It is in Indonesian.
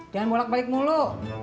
jangan bolak balik mulu